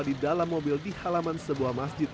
di dalam mobil di halaman sebuah masjid